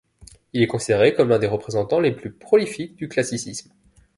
Il est considéré comme l'un des représentants les plus prolifiques du classicisme.